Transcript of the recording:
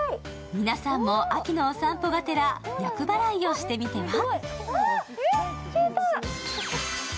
皆さんも秋のお散歩がてら、厄払いをしてみては？